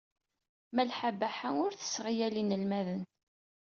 Malḥa Baḥa ur tesseɣyal inelmaden.